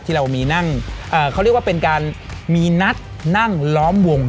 ที่เรามีนั่งเขาเรียกว่าเป็นการมีนัดนั่งล้อมวง